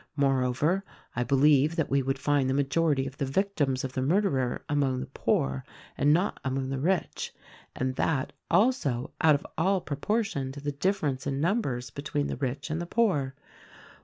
More over, I believe that we would find the majority of the vic tims of the murderer among the poor and not among the rich — and that, also, out of all proportion to the difference in numbers between the rich and the poor.